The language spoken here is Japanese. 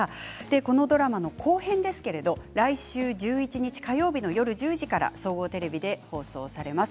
このドラマの後編来週１１日火曜日夜１０時から総合テレビで放送されます。